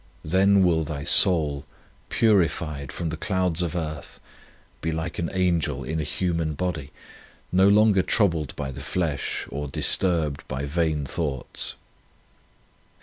Then will thy soul, purified from the clouds of earth, be like an Angel in a human body, no longer troubled by the flesh, or disturbed by vain thoughts.